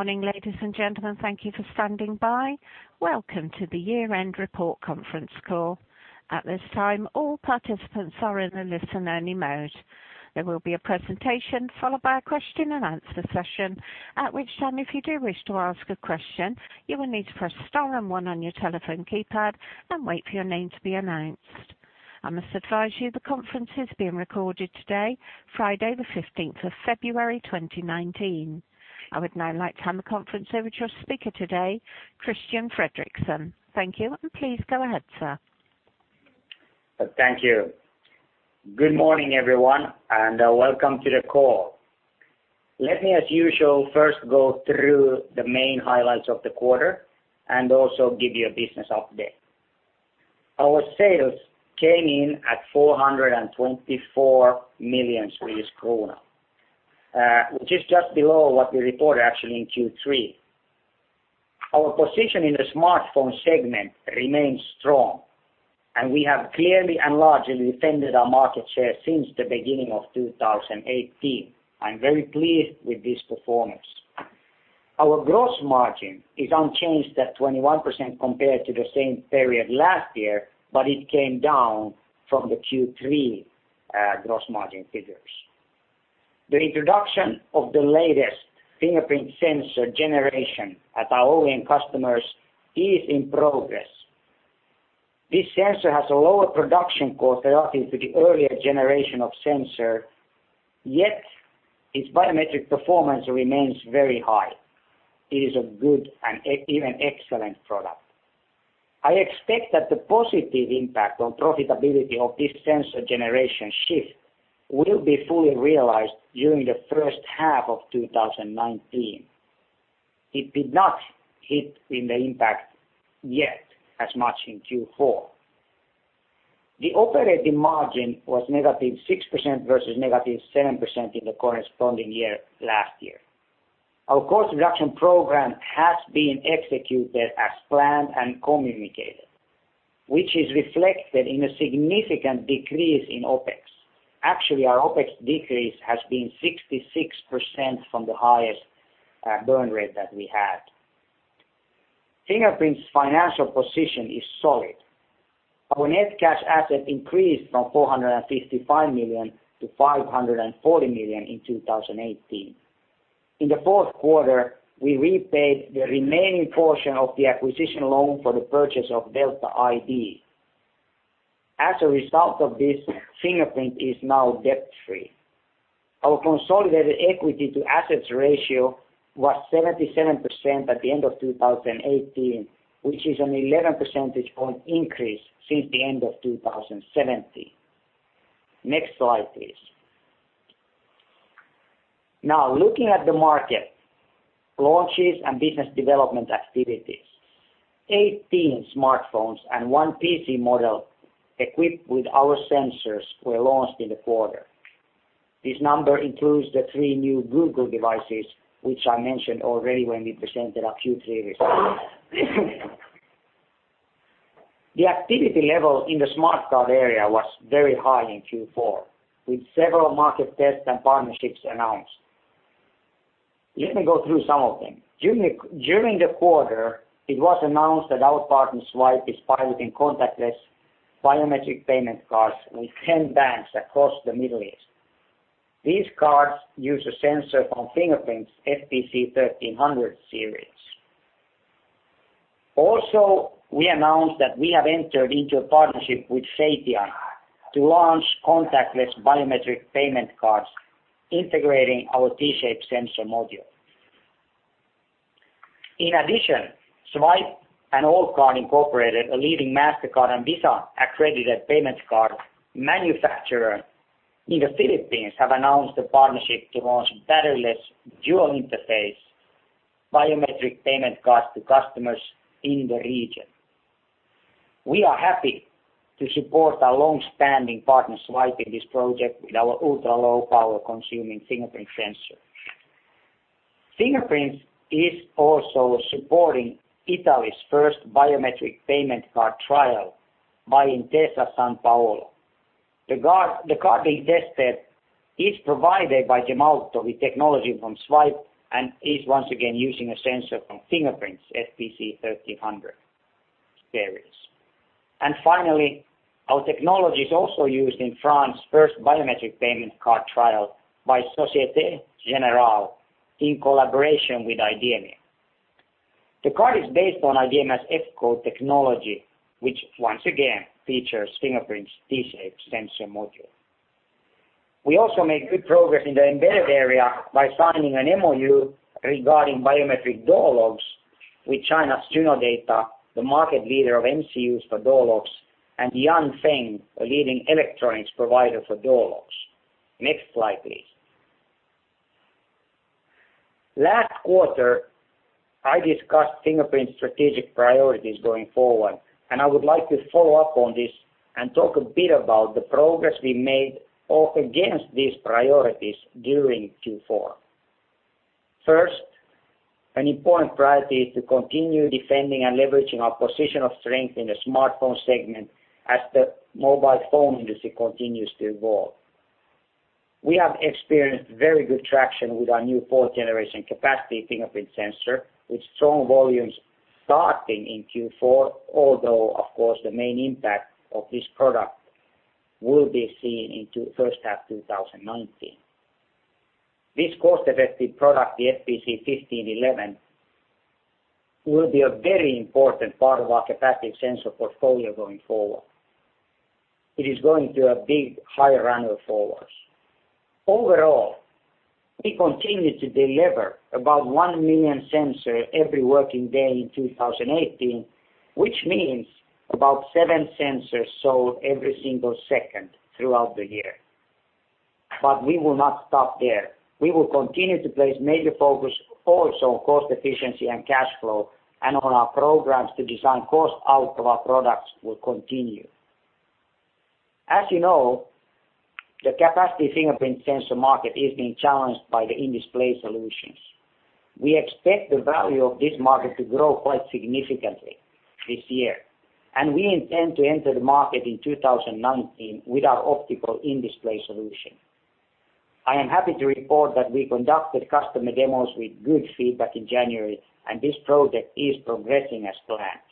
Morning, ladies and gentlemen. Thank you for standing by. Welcome to the Year-End Report conference call. At this time, all participants are in a listen-only mode. There will be a presentation followed by a question and answer session, at which time, if you do wish to ask a question, you will need to press star 1 on your telephone keypad and wait for your name to be announced. I must advise you the conference is being recorded today, Friday, February 15, 2019. I would now like to hand the conference over to our speaker today, Christian Fredrikson. Thank you, and please go ahead, sir. Thank you. Good morning, everyone. Welcome to the call. Let me, as usual, first go through the main highlights of the quarter and also give you a business update. Our sales came in at 424 million Swedish kronor, which is just below what we reported actually in Q3. Our position in the smartphone segment remains strong, and we have clearly and largely defended our market share since the beginning of 2018. I'm very pleased with this performance. Our gross margin is unchanged at 21% compared to the same period last year, but it came down from the Q3 gross margin figures. The introduction of the latest fingerprint sensor generation at our OEM customers is in progress. This sensor has a lower production cost relative to the earlier generation of sensor, yet its biometric performance remains very high. It is a good and even excellent product. I expect that the positive impact on profitability of this sensor generation shift will be fully realized during the first half of 2019. It did not hit in the impact yet as much in Q4. The operating margin was -6% versus -7% in the corresponding year last year. Our cost reduction program has been executed as planned and communicated, which is reflected in a significant decrease in OPEX. Actually, our OPEX decrease has been 66% from the highest burn rate that we had. Fingerprint's financial position is solid. Our net cash assets increased from 455 million to 540 million in 2018. In the fourth quarter, we repaid the remaining portion of the acquisition loan for the purchase of Delta ID. As a result of this, Fingerprint is now debt-free. Our consolidated equity to assets ratio was 77% at the end of 2018, which is an 11 percentage point increase since the end of 2017. Next slide, please. Now, looking at the market launches and business development activities. 18 smartphones and one PC model equipped with our sensors were launched in the quarter. This number includes the three new Google devices, which I mentioned already when we presented our Q3 results. The activity level in the smart card area was very high in Q4, with several market tests and partnerships announced. Let me go through some of them. During the quarter, it was announced that our partner Zwipe is piloting contactless biometric payment cards with 10 banks across the Middle East. These cards use a sensor from Fingerprint's FPC1300 series. Also, we announced that we have entered into a partnership with SafetyPay to launch contactless biometric payment cards integrating our T-Shape sensor module. In addition, Zwipe and Allcard Inc., a leading MasterCard and Visa-accredited payment card manufacturer in the Philippines, have announced a partnership to launch batteryless dual-interface biometric payment cards to customers in the region. We are happy to support our long-standing partner, Zwipe, in this project with our ultra-low power consuming fingerprint sensor. Fingerprint is also supporting Italy's first biometric payment card trial by Intesa Sanpaolo. The card being tested is provided by Gemalto with technology from Zwipe and is once again using a sensor from Fingerprint's FPC1300 series. Finally, our technology is also used in France's first biometric payment card trial by Société Générale in collaboration with IDEMIA. The card is based on IDEMIA's F.CODE technology, which once again features Fingerprint's T-Shape sensor module. We also made good progress in the embedded area by signing an MoU regarding biometric door locks with China's Junodata, the market leader of MCUs for door locks, and Yanfeng, a leading electronics provider for door locks. Next slide, please. Last quarter, I discussed Fingerprint's strategic priorities going forward, and I would like to follow up on this and talk a bit about the progress we made up against these priorities during Q4. First, an important priority is to continue defending and leveraging our position of strength in the smartphone segment as the mobile phone industry continues to evolve. We have experienced very good traction with our new fourth-generation capacitive fingerprint sensor, with strong volumes starting in Q4, although of course, the main impact of this product will be seen into first half 2019. This cost-effective product, the FPC1511, will be a very important part of our capacitive sensor portfolio going forward. It is going to a big, high runner for us. Overall, we continue to deliver about one million sensor every working day in 2018, which means about seven sensors sold every single second throughout the year. We will not stop there. We will continue to place major focus also on cost efficiency and cash flow. On our programs to design cost out of our products will continue. As you know, the capacitive fingerprint sensor market is being challenged by the in-display solutions. We expect the value of this market to grow quite significantly this year, and we intend to enter the market in 2019 with our optical in-display solution. I am happy to report that we conducted customer demos with good feedback in January, and this project is progressing as planned.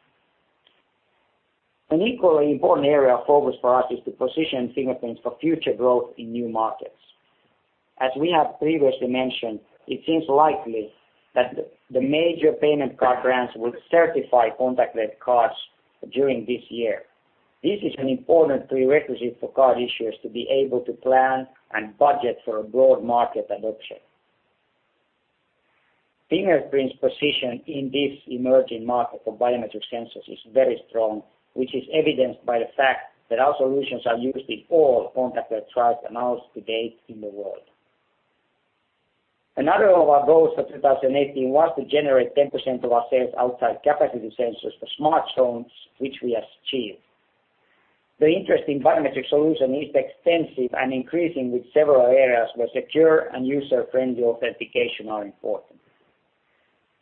An equally important area of focus for us is to position fingerprints for future growth in new markets. As we have previously mentioned, it seems likely that the major payment card brands will certify contactless cards during this year. This is an important prerequisite for card issuers to be able to plan and budget for a broad market adoption. Fingerprint's position in this emerging market for biometric sensors is very strong, which is evidenced by the fact that our solutions are used in all contact wear trials announced to date in the world. Another of our goals for 2018 was to generate 10% of our sales outside capacitive sensors for smartphones, which we achieved. The interest in biometric solution is extensive and increasing with several areas where secure and user-friendly authentication are important.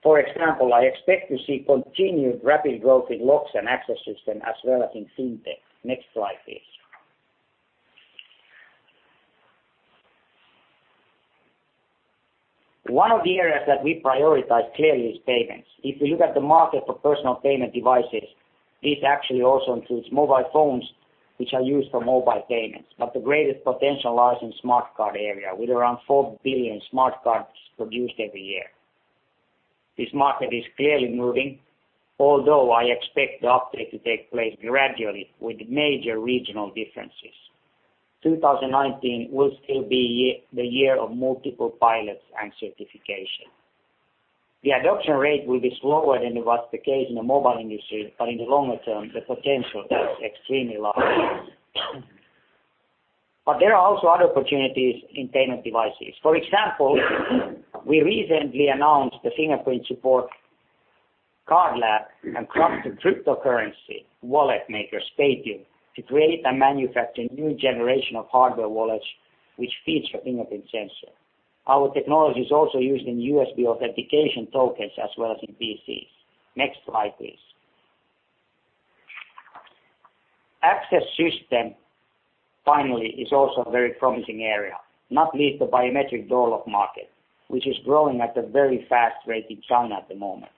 For example, I expect to see continued rapid growth in locks and access system as well as in FinTech. Next slide, please. One of the areas that we prioritize clearly is payments. If we look at the market for personal payment devices, this actually also includes mobile phones, which are used for mobile payments. But the greatest potential lies in smart card area, with around 4 billion smart cards produced every year. This market is clearly moving, although I expect the uptake to take place gradually with major regional differences. 2019 will still be the year of multiple pilots and certification. The adoption rate will be slower than it was the case in the mobile industry, but in the longer term, the potential there is extremely large. But there are also other opportunities in payment devices. For example, we recently announced the Fingerprint Cards support CardLab and cryptocurrency wallet makers, Spatium, to create and manufacture a new generation of hardware wallets which feature fingerprint sensor. Our technology is also used in USB authentication tokens as well as in PCs. Next slide, please. Access system, finally, is also a very promising area, not least the biometric door lock market, which is growing at a very fast rate in China at the moment.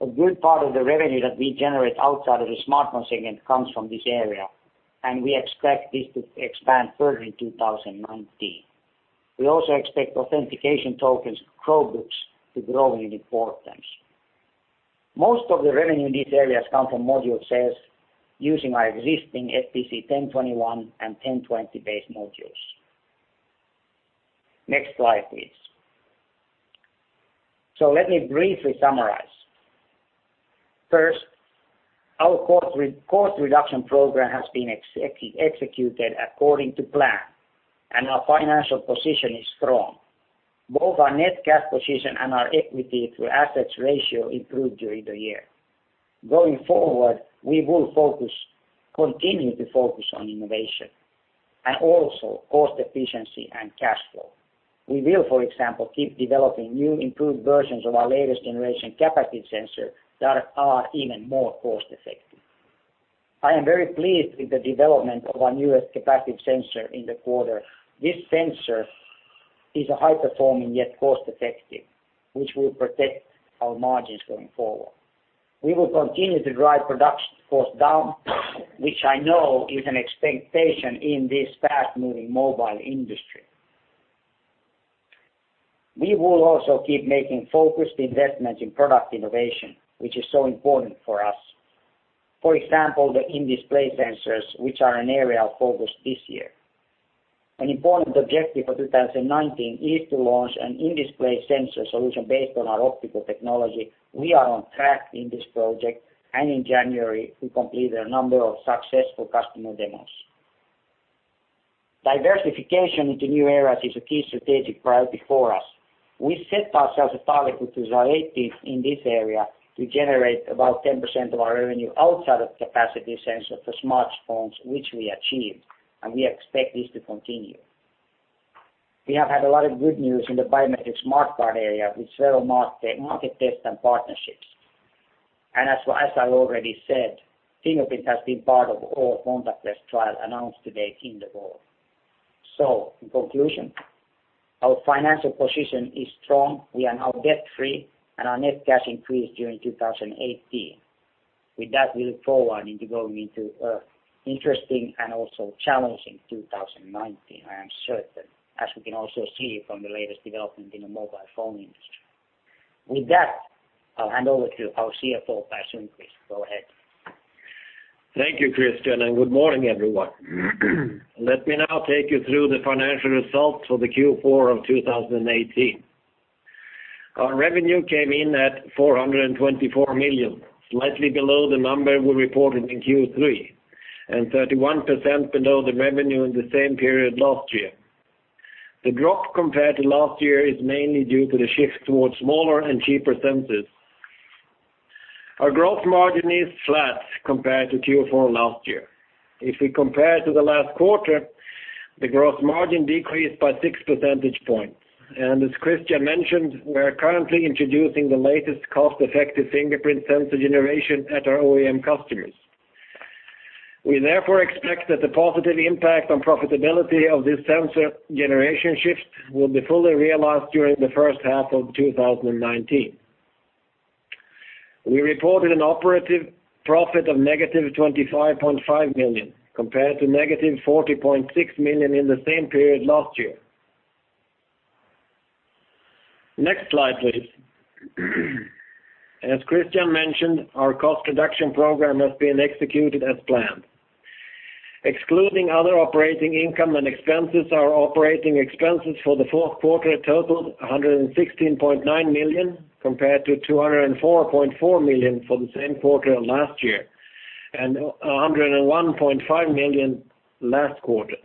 A good part of the revenue that we generate outside of the smartphone segment comes from this area, and we expect this to expand further in 2019. We also expect authentication tokens products to grow in importance. Most of the revenue in these areas come from module sales using our existing FPC1021 and FPC1020 base modules. Next slide, please. So let me briefly summarize. First, our cost reduction program has been executed according to plan, and our financial position is strong. Both our net cash position and our equity to assets ratio improved during the year. Going forward, we will continue to focus on innovation and also cost efficiency and cash flow. We will, for example, keep developing new improved versions of our latest generation capacitive sensor that are even more cost-effective. I am very pleased with the development of our newest capacitive sensor in the quarter. This sensor is a high-performing yet cost-effective, which will protect our margins going forward. We will continue to drive production cost down, which I know is an expectation in this fast-moving mobile industry. We will also keep making focused investments in product innovation, which is so important for us. For example, the in-display sensors, which are an area of focus this year. An important objective for 2019 is to launch an in-display sensor solution based on our optical technology. We are on track in this project, and in January, we completed a number of successful customer demos. Diversification into new areas is a key strategic priority for us. We set ourselves a target, which is our aim in this area, to generate about 10% of our revenue outside of capacitive sensor for smartphones, which we achieved, and we expect this to continue. We have had a lot of good news in the biometric smart card area with several market tests and partnerships. And as I already said, Fingerprint Cards has been part of all contactless trials announced to date in the world. So in conclusion, our financial position is strong. We are now debt-free, and our net cash increased during 2018. With that, we look forward into going into interesting and also challenging 2019, I am certain, as we can also see from the latest development in the mobile phone industry. With that, I'll hand over to our CFO, Per Sundqvist. Go ahead. Thank you, Christian, and good morning, everyone. Let me now take you through the financial results for the Q4 of 2018. Our revenue came in at 424 million, slightly below the number we reported in Q3, and 31% below the revenue in the same period last year. The drop compared to last year is mainly due to the shift towards smaller and cheaper sensors. Our gross margin is flat compared to Q4 last year. If we compare to the last quarter, the gross margin decreased by six percentage points. As Christian mentioned, we're currently introducing the latest cost-effective fingerprint sensor generation at our OEM customers. We therefore expect that the positive impact on profitability of this sensor generation shift will be fully realized during the first half of 2019. We reported an operative profit of negative 25.5 million, compared to negative 40.6 million in the same period last year. Next slide, please. As Christian mentioned, our cost reduction program has been executed as planned. Excluding other operating income and expenses, our operating expenses for the fourth quarter totaled 116.9 million, compared to 204.4 million for the same quarter last year, and 101.5 million last quarter.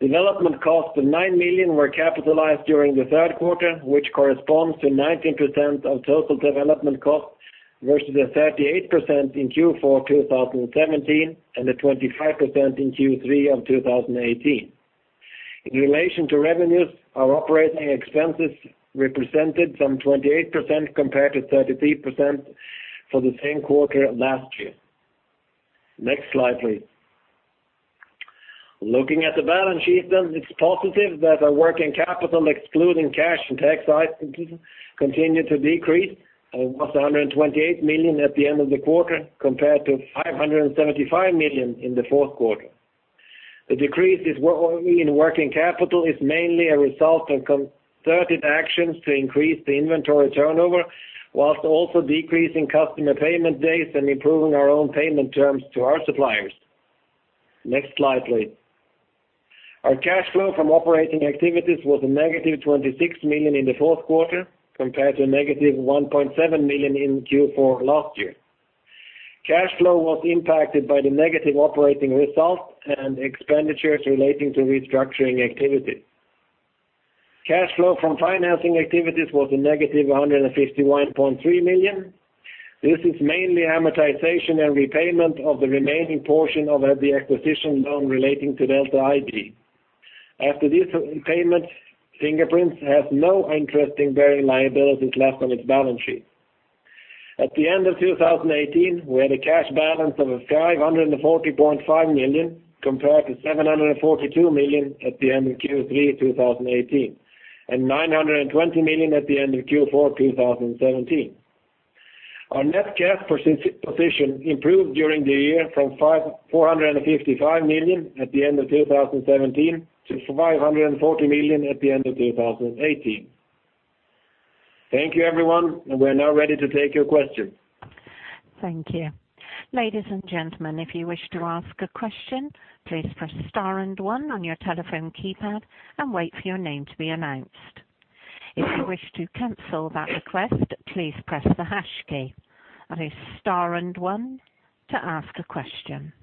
Development costs of nine million were capitalized during the third quarter, which corresponds to 19% of total development costs, versus 38% in Q4 2017 and 25% in Q3 of 2018. In relation to revenues, our operating expenses represented some 28%, compared to 33% for the same quarter last year. Next slide, please. Looking at the balance sheet, it's positive that our working capital, excluding cash and tax items, continued to decrease, and was 128 million at the end of the quarter, compared to 575 million in the fourth quarter. The decrease in working capital is mainly a result of concerted actions to increase the inventory turnover, whilst also decreasing customer payment days and improving our own payment terms to our suppliers. Next slide, please. Our cash flow from operating activities was a negative 26 million in the fourth quarter, compared to a negative 1.7 million in Q4 last year. Cash flow was impacted by the negative operating results and expenditures relating to restructuring activities. Cash flow from financing activities was a negative 151.3 million. This is mainly amortization and repayment of the remaining portion of the acquisition loan relating to Delta ID. After this payment, Fingerprint has no interest-bearing liabilities left on its balance sheet. At the end of 2018, we had a cash balance of 540.5 million, compared to 742 million at the end of Q3 2018, and 920 million at the end of Q4 2017. Our net cash position improved during the year from 455 million at the end of 2017 to 540 million at the end of 2018. Thank you, everyone. We are now ready to take your questions. Thank you. Ladies and gentlemen, if you wish to ask a question, please press star and one on your telephone keypad and wait for your name to be announced. If you wish to cancel that request, please press the hash key. That is star and one to ask a question.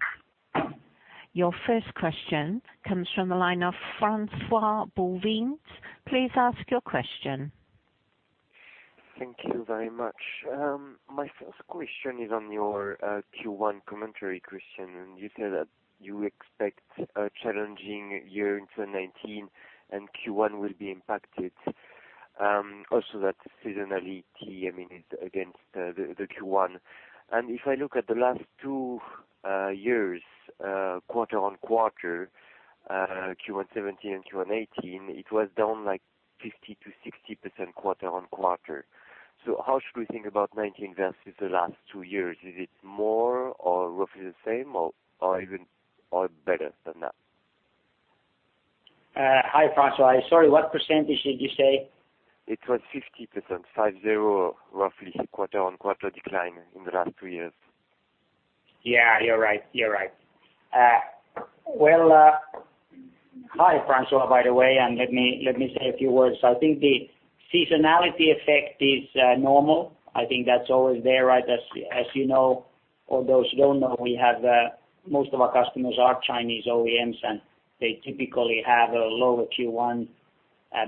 Your first question comes from the line of François-Xavier Bouvignies. Please ask your question. Thank you very much. My first question is on your Q1 commentary, Christian. You say that you expect a challenging year in 2019. Q1 will be impacted. Seasonality, I mean, is against the Q1. If I look at the last two years, quarter-on-quarter, Q1 2017 and Q1 2018, it was down 50%-60% quarter-on-quarter. How should we think about 2019 versus the last two years? Is it more or roughly the same or even or better than that? Hi, François. Sorry, what percentage did you say? It was 50%, roughly, quarter-on-quarter decline in the last 2 years. You're right. Hi, François, by the way, and let me say a few words. I think the seasonality effect is normal. I think that's always there, right? As you know or those who don't know, most of our customers are Chinese OEMs, and they typically have a lower Q1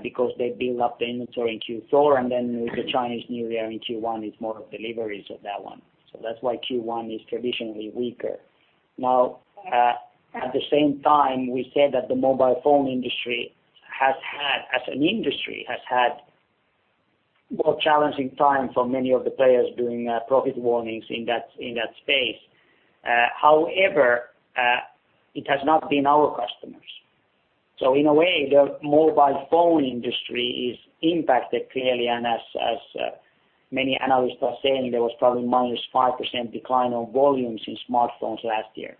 because they build up the inventory in Q4, and then with the Chinese New Year in Q1, it's more deliveries of that one. That's why Q1 is traditionally weaker. At the same time, we said that the mobile phone industry, as an industry, has had more challenging time for many of the players doing profit warnings in that space. However, it has not been our customers. In a way, the mobile phone industry is impacted clearly, and as many analysts are saying, there was probably -5% decline of volumes in smartphones last year,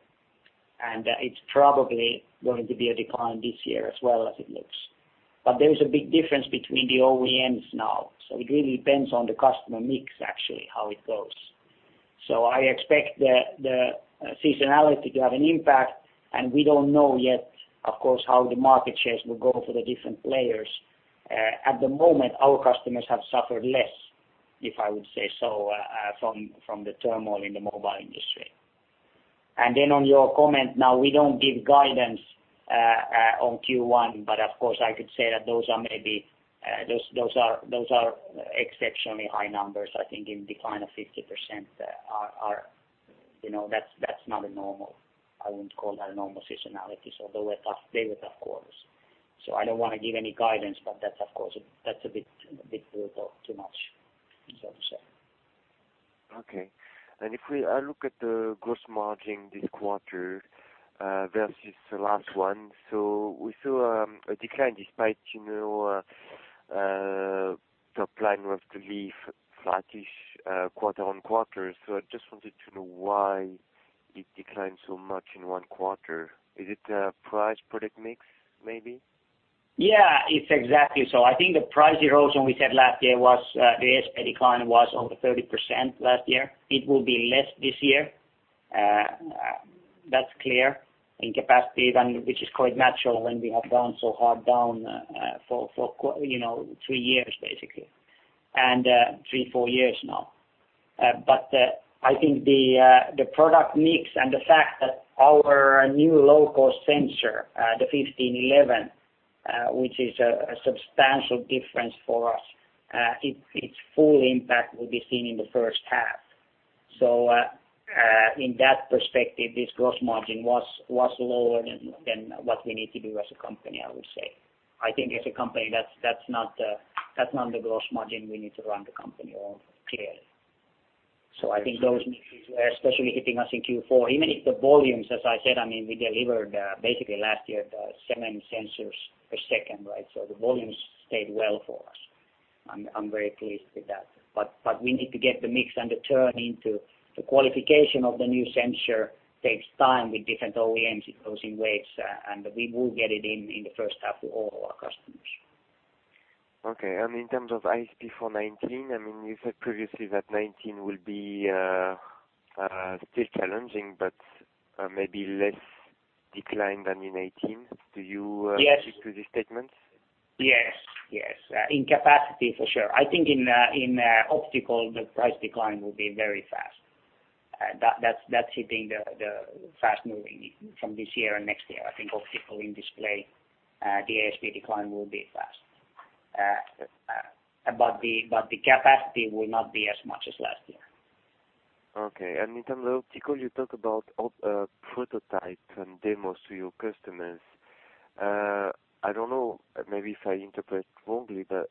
and it's probably going to be a decline this year as well as it looks. There is a big difference between the OEMs now, so it really depends on the customer mix, actually, how it goes. I expect the seasonality to have an impact, and we don't know yet, of course, how the market shares will go for the different players. At the moment, our customers have suffered less, if I would say so, from the turmoil in the mobile industry. On your comment, now we don't give guidance on Q1, but of course, I could say that those are exceptionally high numbers. I think in decline of 50%, that's not a normal, I wouldn't call that a normal seasonality, although we're tough quarters. I don't want to give any guidance, but that's a bit brutal too much, so to say. Okay. If we look at the gross margin this quarter versus the last one, we saw a decline despite top line was to leave flattish quarter-on-quarter. I just wanted to know why it declined so much in one quarter. Is it price product mix, maybe? Yeah, it's exactly so. I think the price erosion we said last year was the ASP decline was over 30% last year. It will be less this year, that's clear, In capacitive, which is quite natural when we have gone so hard down for three, four years now. I think the product mix and the fact that our new low-cost sensor, the 1511, which is a substantial difference for us, its full impact will be seen in the first half. In that perspective, this gross margin was lower than what we need to do as a company, I would say. I think as a company, that's not the gross margin we need to run the company on, clearly. I think those mixes were especially hitting us in Q4, even if the volumes, as I said, we delivered basically last year, seven sensors per second. The volumes stayed well for us. I'm very pleased with that. We need to get the mix and the turn into the qualification of the new sensor takes time with different OEMs. It goes in waves, and we will get it in the first half for all our customers. Okay, in terms of ASP for 2019, you said previously that 2019 will be still challenging, but maybe less decline than in 2018. Do you- Yes stick to this statement? Yes. In capacitive for sure. I think in optical, the price decline will be very fast. That's hitting the fast moving from this year and next year. I think optical in display, the ASP decline will be fast. The capacity will not be as much as last year. Okay. In terms of optical, you talk about prototype and demos to your customers. I don't know, maybe if I interpret wrongly, but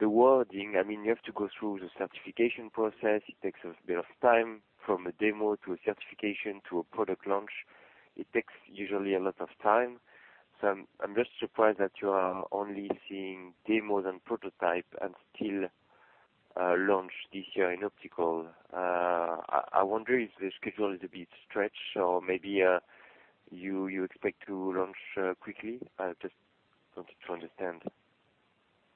the wording, you have to go through the certification process. It takes a bit of time from a demo to a certification to a product launch. It takes usually a lot of time. I'm just surprised that you are only seeing demos and prototype and still launch this year in optical. I wonder if the schedule is a bit stretched or maybe you expect to launch quickly. I just wanted to understand.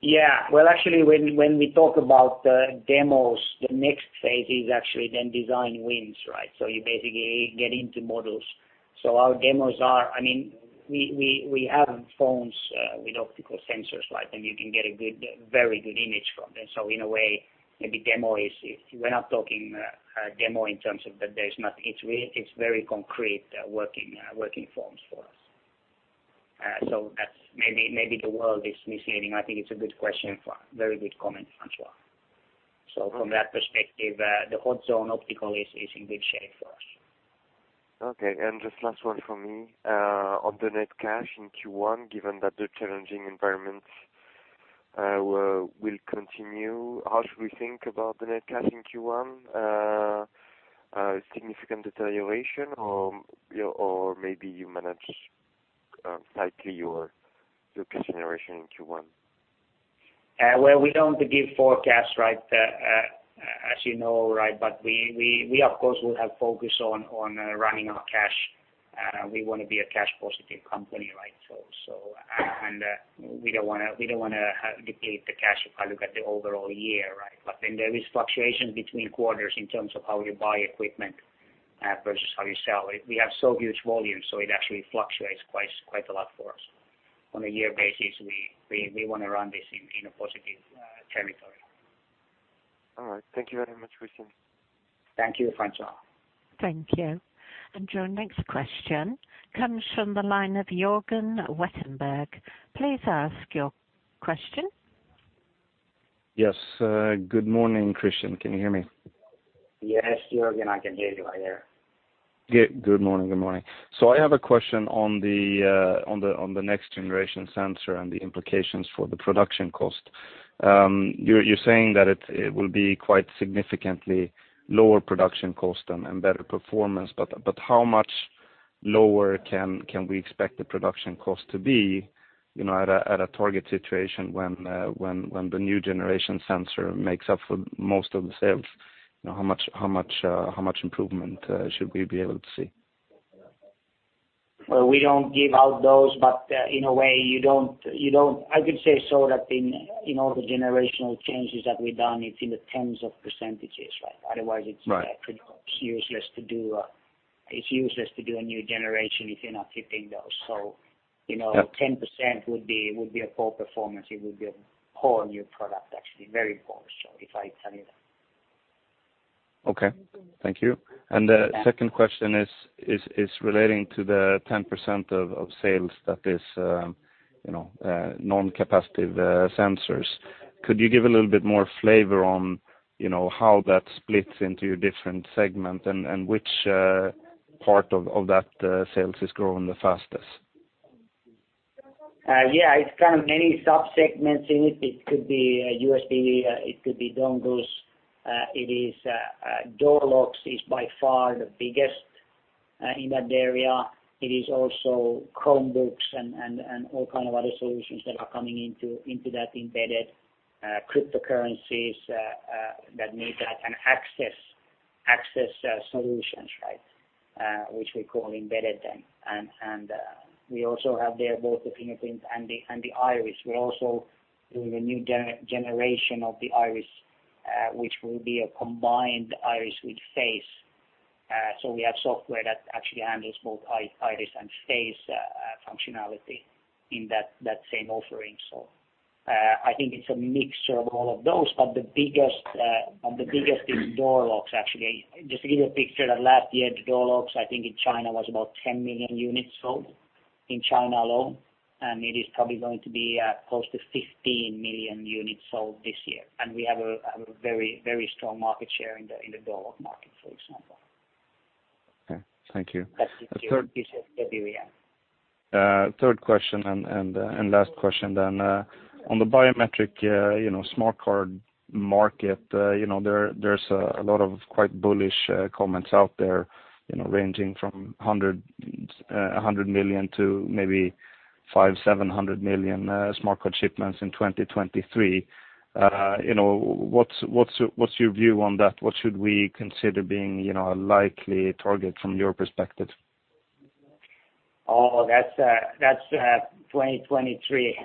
Yeah. Well, actually, when we talk about demos, the next phase is actually then design wins. You basically get into models. Our demos are, we have phones with optical sensors, and you can get a very good image from them. In a way, maybe demo is, we're not talking a demo in terms of that there's not, it's very concrete working forms for us. That's maybe the world is misleading. I think it's a good question, very good comment, François. From that perspective, the hot zone optical is in good shape for us. Okay, just last one from me. On the net cash in Q1, given that the challenging environment will continue, how should we think about the net cash in Q1? A significant deterioration or maybe you manage slightly your cash generation in Q1? Well, we don't give forecasts as you know. We of course, will have focus on running our cash. We want to be a cash positive company. We don't want to deplete the cash if I look at the overall year. There is fluctuation between quarters in terms of how you buy equipment versus how you sell. We have so huge volumes, so it actually fluctuates quite a lot for us. On a year basis, we want to run this in a positive territory. All right. Thank you very much, Christian. Thank you, François. Thank you. Your next question comes from the line of Jörgen Wetterberg. Please ask your question. Yes. Good morning, Christian. Can you hear me? Yes, Jörgen, I can hear you right here. Good morning. I have a question on the next generation sensor and the implications for the production cost. You're saying that it will be quite significantly lower production cost and better performance, but how much lower can we expect the production cost to be, at a target situation when the new generation sensor makes up for most of the sales? How much improvement should we be able to see? Well, we don't give out those, but in a way, I could say so that in all the generational changes that we've done, it's in the tens of percentages. Right useless to do a new generation if you're not hitting those. 10% would be a poor performance. It would be a poor new product, actually, very poor. If I tell you that. Okay, thank you. The second question is relating to the 10% of sales that is non-capacitive sensors. Could you give a little bit more flavor on how that splits into different segments and which part of that sales is growing the fastest? Yeah, it's kind of many sub-segments in it. It could be USB, it could be dongles. Door locks is by far the biggest in that area. It is also Chromebooks and all kind of other solutions that are coming into that embedded cryptocurrencies that need that and access solutions, which we call embedded then. We also have there both the fingerprint and the iris. We're also doing a new generation of the iris, which will be a combined iris with face. We have software that actually handles both iris and face functionality in that same offering. I think it's a mixture of all of those. The biggest is door locks, actually. Just to give you a picture, that last year door locks, I think in China was about 10 million units sold in China alone, it is probably going to be close to 15 million units sold this year. We have a very strong market share in the door lock market, for example. Okay. Thank you. That's the third piece of the area. Third question, last question. On the biometric smart card market there's a lot of quite bullish comments out there, ranging from 100 million to maybe 500, 700 million smart card shipments in 2023. What's your view on that? What should we consider being a likely target from your perspective? That's 2023.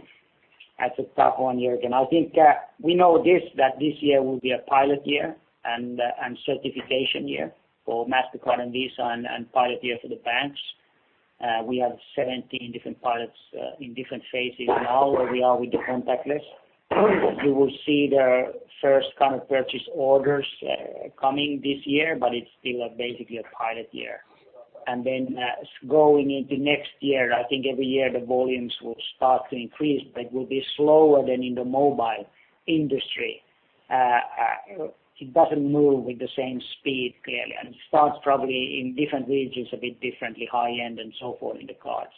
That's a tough one, Jörgen. I think we know this, that this year will be a pilot year and certification year for MasterCard and Visa and pilot year for the banks. We have 17 different pilots in different phases now where we are with the contactless. It's still basically a pilot year. I think every year the volumes will start to increase, but will be slower than in the mobile industry. It doesn't move with the same speed, clearly, it starts probably in different regions a bit differently, high end and so forth in the cards.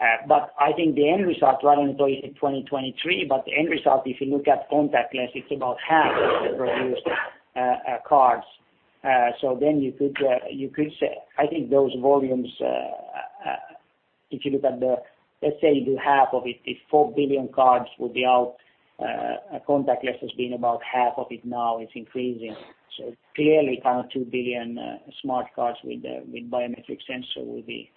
I think the end result, I don't employ 2023, but the end result, if you look at contactless, it's about half of the produced cards. I think those volumes, if you look at the, let's say you do half of it, if 4 billion cards will be out, contactless has been about half of it now, it's increasing. Clearly, 2 billion smart cards with biometric sensor will be,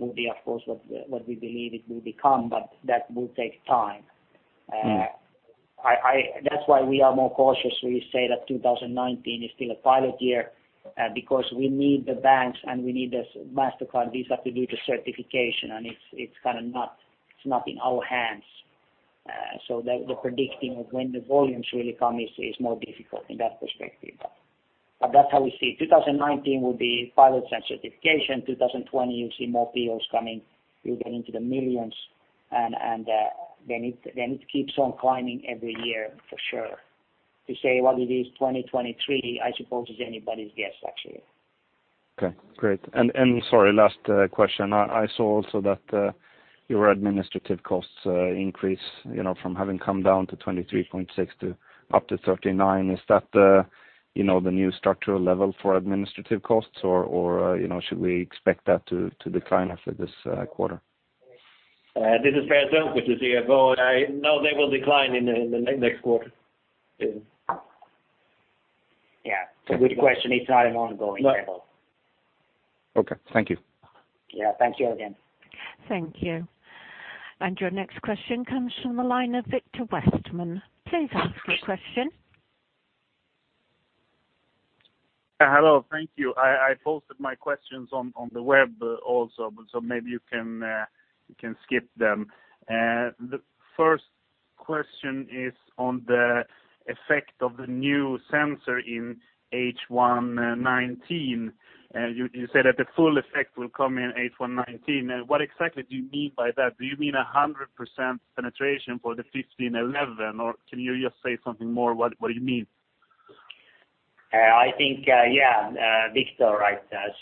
of course, what we believe it will become, but that will take time. That's why we are more cautious. We say that 2019 is still a pilot year because we need the banks, and we need the MasterCard, Visa to do the certification, and it's not in our hands. The predicting of when the volumes really come is more difficult in that perspective. That's how we see it. 2019 will be pilots and certification. 2020, you'll see more deals coming. You'll get into the millions, it keeps on climbing every year for sure. To say what it is 2023, I suppose, is anybody's guess, actually. Okay, great. Sorry, last question. I saw also that your administrative costs increase from having come down to 23.6 to up to 39. Is that the new structural level for administrative costs or should we expect that to decline after this quarter? This is Per Sundqvist with the CFO. No, they will decline in the next quarter. Yeah. Good question. It's an ongoing level. Okay. Thank you. Yeah. Thank you again. Thank you. Your next question comes from the line of Victor Westman. Please ask your question. Hello. Thank you. I posted my questions on the web also, so maybe you can skip them. The first question is on the effect of the new sensor in H1 2019. You say that the full effect will come in H1 2019. What exactly do you mean by that? Do you mean 100% penetration for the FPC1511, or can you just say something more what you mean? I think, yeah, Victor, right. That's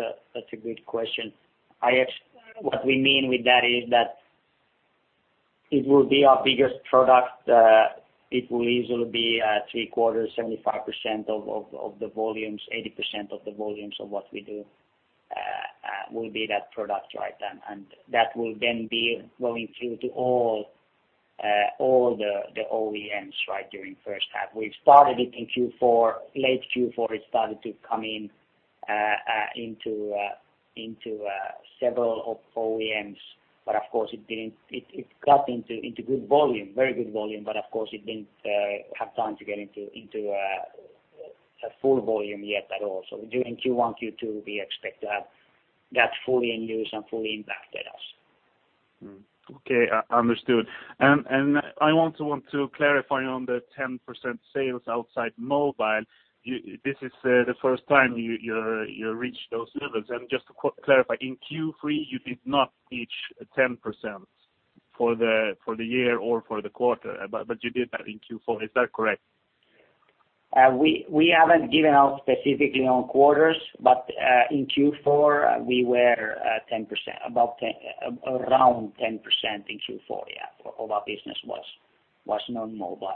a good question. What we mean with that is that it will be our biggest product. It will easily be at three-quarters, 75% of the volumes, 80% of the volumes of what we do, will be that product. That will then be going through to all the OEMs during the first half. We've started it in Q4. Late Q4, it started to come in into several of OEMs. Of course, it got into very good volume, but of course, it didn't have time to get into a full volume yet at all. During Q1, Q2, we expect to have that fully in use and fully impacted us. Okay, understood. I also want to clarify on the 10% sales outside mobile, this is the first time you reached those levels. Just to clarify, in Q3, you did not reach 10% for the year or for the quarter, but you did that in Q4. Is that correct? We haven't given out specifically on quarters, but in Q4, we were around 10% in Q4, yeah, of our business was non-mobile.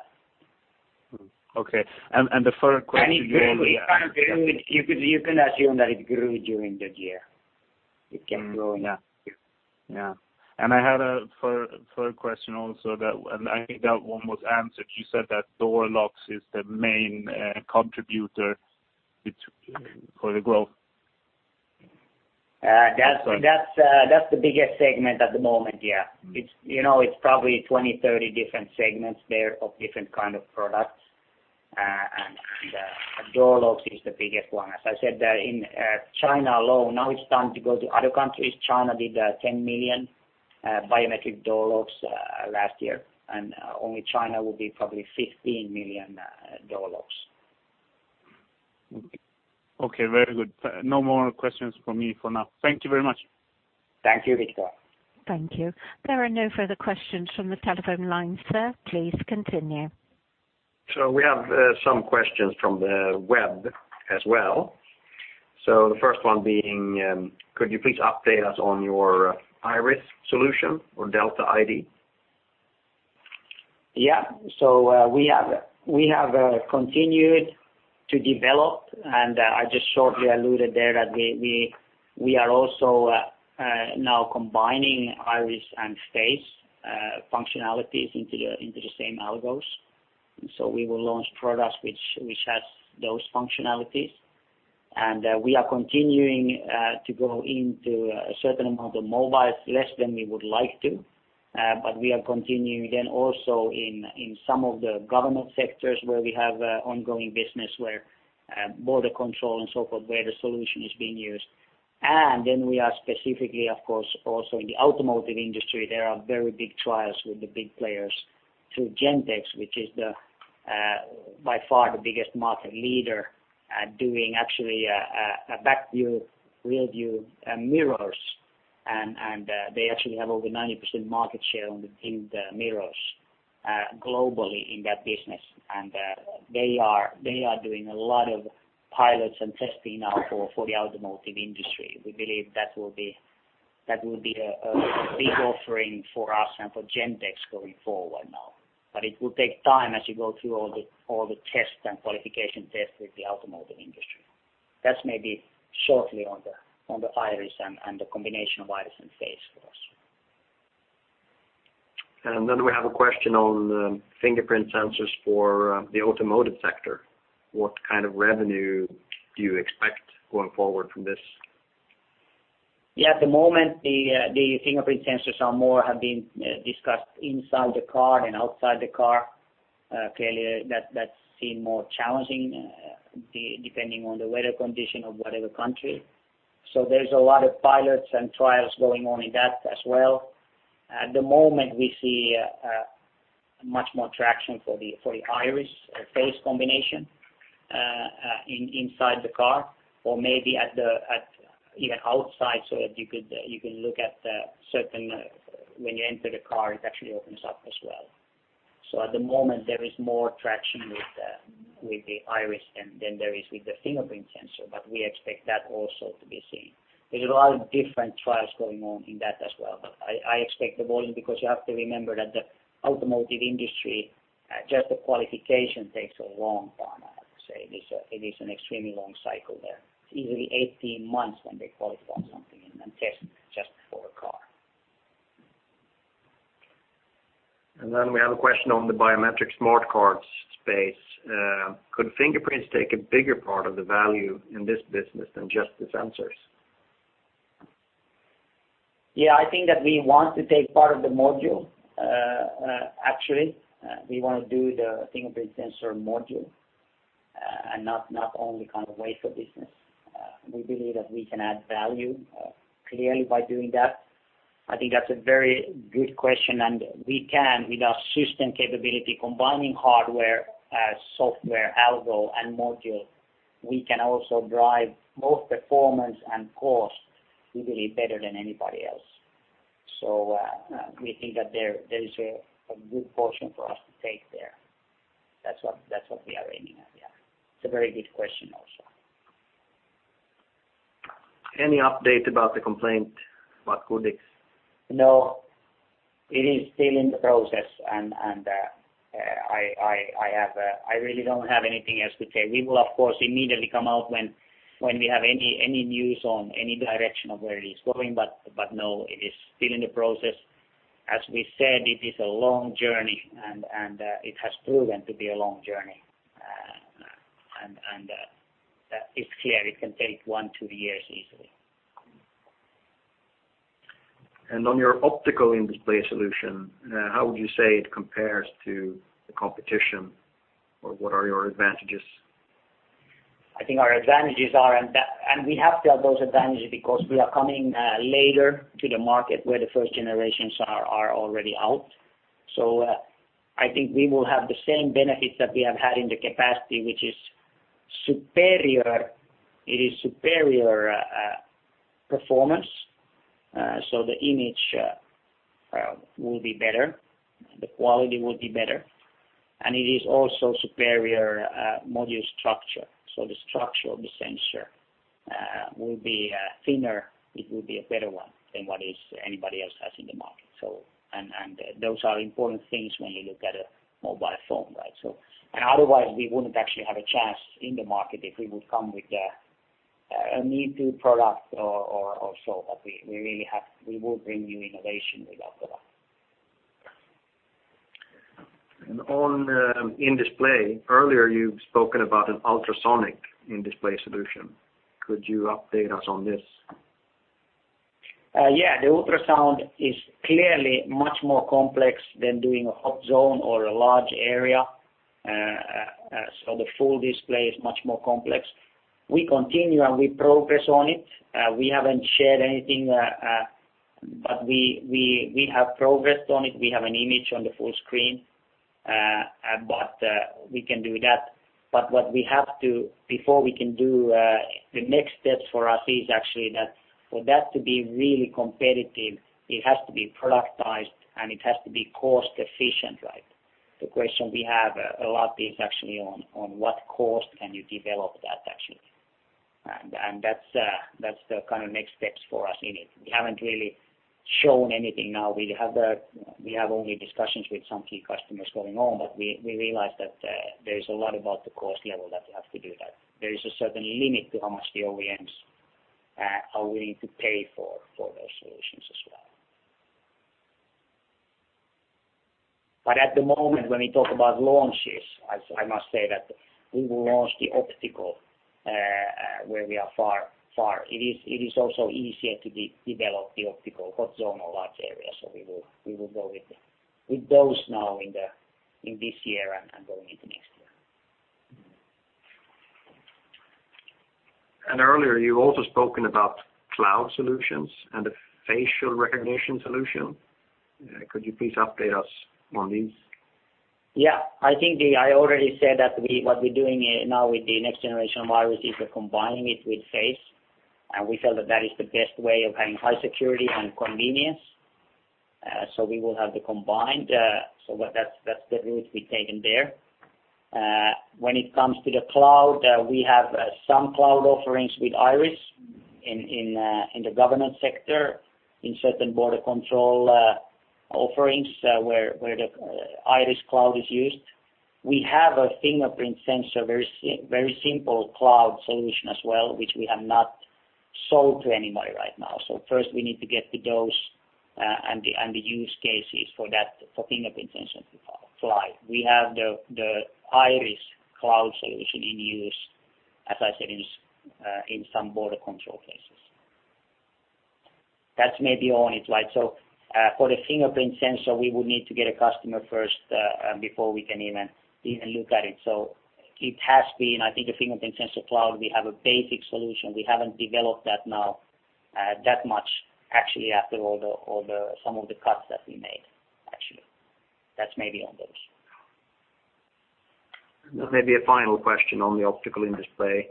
Okay. The third question- You can assume that it grew during the year. It kept growing up. Yeah. I had a third question also, and I think that one was answered. You said that door locks is the main contributor for the growth. That's the biggest segment at the moment, yeah. It's probably 20, 30 different segments there of different kind of products, and door locks is the biggest one. As I said, in China alone, now it's time to go to other countries. China did 10 million biometric door locks last year, and only China will be probably 15 million door locks. Okay. Very good. No more questions from me for now. Thank you very much. Thank you, Victor. Thank you. There are no further questions from the telephone lines, sir. Please continue. We have some questions from the web as well. The first one being, could you please update us on your iris solution or Delta ID? We have continued to develop, and I just shortly alluded there that we are also now combining iris and face functionalities into the same algos. We will launch products which has those functionalities. We are continuing to go into a certain amount of mobile, less than we would like to. We are continuing then also in some of the government sectors where we have ongoing business, where border control and so forth, where the solution is being used. We are specifically, of course, also in the automotive industry, there are very big trials with the big players through Gentex, which is by far the biggest market leader at doing actually a back view, rear view mirrors. They actually have over 90% market share in the mirrors globally in that business. They are doing a lot of pilots and testing now for the automotive industry. We believe that will be a big offering for us and for Gentex going forward now. It will take time as you go through all the test and qualification test with the automotive industry. That's maybe shortly on the iris and the combination of iris and face for us. We have a question on the fingerprint sensors for the automotive sector. What kind of revenue do you expect going forward from this? Yeah, at the moment, the fingerprint sensors are more have been discussed inside the car than outside the car. Clearly, that seem more challenging, depending on the weather condition of whatever country. There's a lot of pilots and trials going on in that as well. At the moment, we see much more traction for the iris face combination inside the car or maybe even outside, so that you can look at the certain, when you enter the car, it actually opens up as well. At the moment, there is more traction with the iris than there is with the fingerprint sensor, but we expect that also to be seen. There's a lot of different trials going on in that as well, but I expect the volume because you have to remember that the automotive industry, just the qualification takes a long time, I have to say. It is an extremely long cycle there. It's easily 18 months when they qualify something and test just for a car. We have a question on the biometric smart card space. Could fingerprints take a bigger part of the value in this business than just the sensors? Yeah, I think that we want to take part of the module. Actually, we want to do the fingerprint sensor module, and not only kind of wafer business. We believe that we can add value, clearly by doing that. I think that's a very good question, and we can, with our system capability, combining hardware, software, algo, and module, we can also drive both performance and cost, we believe, better than anybody else. We think that there is a good portion for us to take there. That's what we are aiming at, yeah. It's a very good question also. Any update about the complaint about Goodix? No. It is still in the process. I really don't have anything else to say. We will, of course, immediately come out when we have any news on any direction of where it is going. No, it is still in the process. As we said, it is a long journey, and it has proven to be a long journey. That it's clear it can take one, two years easily. On your optical in-display solution, how would you say it compares to the competition, or what are your advantages? I think our advantages are. We have to have those advantages because we are coming later to the market where the first generations are already out. I think we will have the same benefits that we have had in the capacity, which is superior performance. The image will be better, the quality will be better, and it is also superior module structure. The structure of the sensor will be thinner. It will be a better one than what anybody else has in the market. Those are important things when you look at a mobile phone. Otherwise we wouldn't actually have a chance in the market if we would come with a me-too product or so, but we will bring new innovation with optical. On the in-display, earlier you've spoken about an ultrasonic in-display solution. Could you update us on this? Yeah. The ultrasound is clearly much more complex than doing a hot zone or a large area. The full display is much more complex. We continue, and we progress on it. We haven't shared anything, we have progressed on it. We have an image on the full screen, we can do that. What we have to, before we can do the next steps for us, is actually that for that to be really competitive, it has to be productized, and it has to be cost efficient. The question we have a lot is actually on, what cost can you develop that? That's the kind of next steps for us in it. We haven't really shown anything now. We have only discussions with some key customers going on, we realize that there's a lot about the cost level that we have to do that. There is a certain limit to how much the OEMs are willing to pay for those solutions as well. At the moment, when we talk about launches, I must say that we will launch the optical, where we are far. It is also easier to develop the optical hot zone or large area. We will go with those now in this year and going into next year. Earlier you also spoken about cloud solutions and a facial recognition solution. Could you please update us on these? Yeah, I think I already said that what we're doing now with the next generation of iris is we're combining it with face, we feel that that is the best way of having high security and convenience. We will have the combined, so that's the route we've taken there. When it comes to the cloud, we have some cloud offerings with iris in the government sector, in certain border control offerings, where the iris cloud is used. We have a fingerprint sensor, very simple cloud solution as well, which we have not sold to anybody right now. First we need to get to those and the use cases for that, for fingerprint sensor to fly. We have the iris cloud solution in use, as I said, in some border control cases. That's maybe on it. For the fingerprint sensor, we would need to get a customer first, before we can even look at it. It has been, I think, the fingerprint sensor cloud, we have a basic solution. We haven't developed that now that much, actually after some of the cuts that we made. That's maybe on those. Maybe a final question on the optical in-display.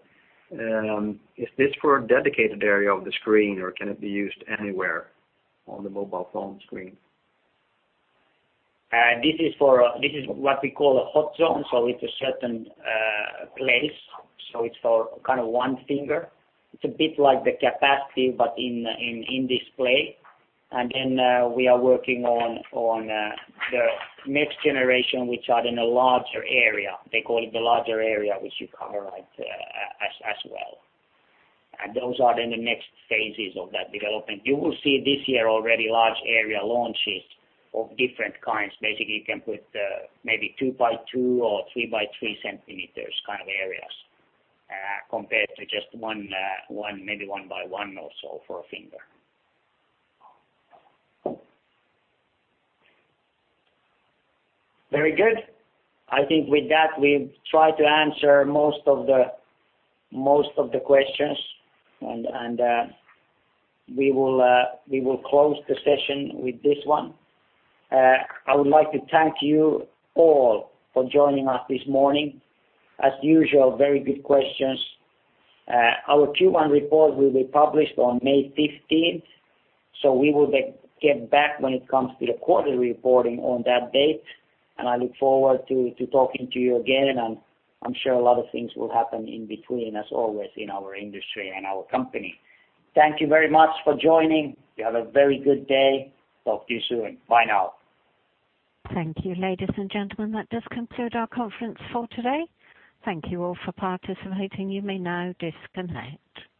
Is this for a dedicated area of the screen, or can it be used anywhere on the mobile phone screen? This is what we call a hot zone, so it's a certain place. It's for kind of one finger. It's a bit like the capacity, but in display. Then, we are working on the next generation, which are in a larger area. They call it the larger area, which you cover as well. Those are in the next phases of that development. You will see this year already large area launches of different kinds. Basically, you can put maybe two by two or three by three centimeters kind of areas, compared to just maybe one by one or so for a finger. Very good. I think with that, we've tried to answer most of the questions, we will close the session with this one. I would like to thank you all for joining us this morning. As usual, very good questions. Our Q1 report will be published on May 15th. We will get back when it comes to the quarterly reporting on that date. I look forward to talking to you again. I'm sure a lot of things will happen in between, as always, in our industry and our company. Thank you very much for joining. You have a very good day. Talk to you soon. Bye now. Thank you, ladies and gentlemen. That does conclude our conference for today. Thank you all for participating. You may now disconnect.